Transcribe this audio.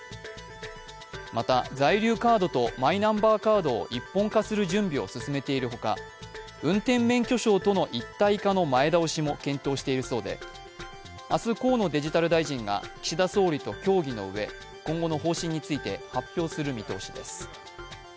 また、在留カードとマイナンバーカードを一本化する準備を進めているほか、運転免許証との一体化の前倒しも検討しているそうで明日、河野デジタル大臣が岸田総理と協議のうえ今後の方針について発表する見通しです。